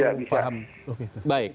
paham ya bisa baik